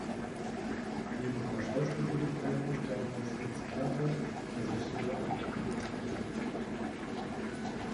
Neben seiner Schauspieltätigkeit ist er auch als Rezitator, Regisseur und Synchronsprecher tätig.